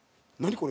これ！